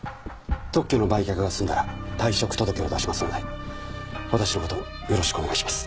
特許の売却が済んだら退職届を出しますので私の事よろしくお願いします。